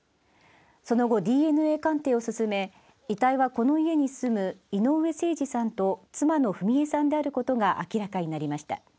その後、ＤＮＡ鑑定を進め、遺体はこの家に住む井上盛司さんと妻の章惠さんであることが明らかになりました。